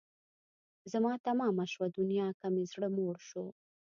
را تمامه شوه دنیا که مې زړه موړ شو